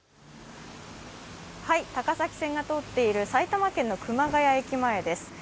高崎線が通っている埼玉県の熊谷駅前です。